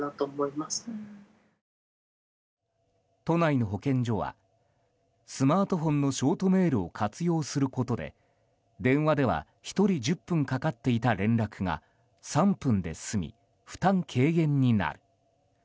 都内の保健所はスマートフォンのショートメールを活用することで、電話では１人１０分かかっていた連絡が３分で済み、負担軽減になる。